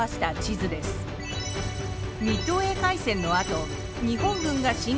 ミッドウェー海戦のあと日本軍がしん